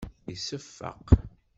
Iseffeq.